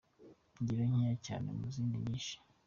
Ingero nkeya cyane mu zindi nyinshi: